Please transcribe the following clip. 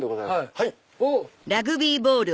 はい！